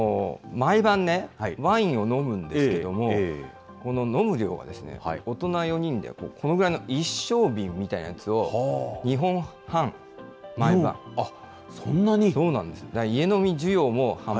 毎晩ね、ワインを飲むんですけども、この飲む量が、大人４人でこのぐらいの一升瓶みたいなやつを、２そんなに？